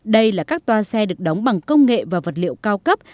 đây là các toa xe được đóng bằng công nghệ và vật liệu cao cấp